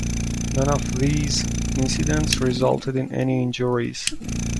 None of these incidents resulted in any injuries.